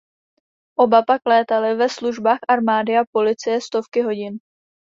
Oba pak létaly ve službách armády a policie stovky hodin.